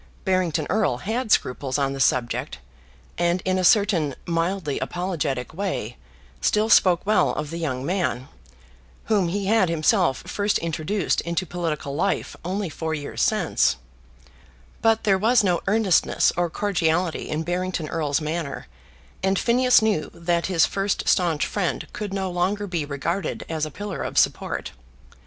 Barrington Erle had scruples on the subject, and in a certain mildly apologetic way still spoke well of the young man, whom he had himself first introduced into political life only four years since; but there was no earnestness or cordiality in Barrington Erle's manner, and Phineas knew that his first staunch friend could no longer be regarded as a pillar of support.